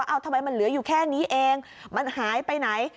เอาทำไมมันเหลืออยู่แค่นี้เองมันหายไปไหน